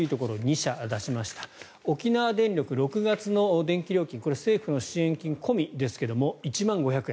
社出しました沖縄電力、６月の電気料金政府の支援金込みですが１万５００円。